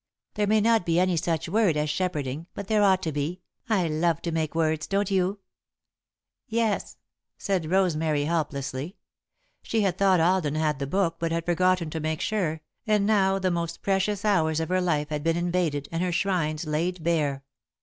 There may not be any such word as 'shepherding,' but there ought to be, I love to make words, don't you?" [Sidenote: Shrines Laid Bare] "Yes," said Rosemary, helplessly. She had thought Alden had the book, but had forgotten to make sure, and now the most precious hours of her life had been invaded and her shrines laid bare.